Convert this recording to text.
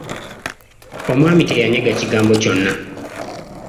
Omwami teyanyega kigambo kyonna.